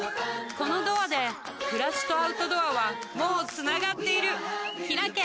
このドアで暮らしとアウトドアはもうつながっているひらけ